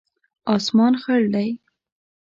اسمان خړ دی